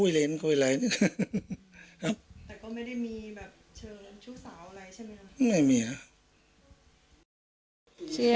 เชียมันสดายลูกมันนี่นี่